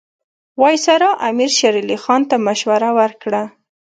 وایسرا امیر شېر علي خان ته مشوره ورکړه.